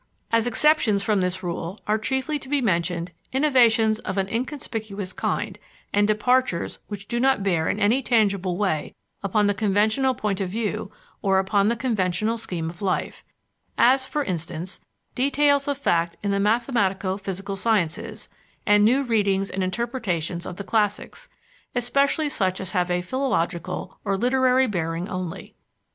As exceptions from this rule are chiefly to be mentioned innovations of an inconspicuous kind and departures which do not bear in any tangible way upon the conventional point of view or upon the conventional scheme of life; as, for instance, details of fact in the mathematico physical sciences, and new readings and interpretations of the classics, especially such as have a philological or literary bearing only.